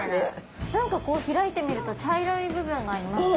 何かこう開いてみると茶色い部分がありますね。